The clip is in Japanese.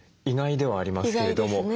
意外ではありますけれども。